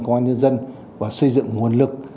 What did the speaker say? công an nhân dân và xây dựng nguồn lực